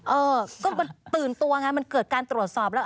เออก็มันตื่นตัวไงมันเกิดการตรวจสอบแล้ว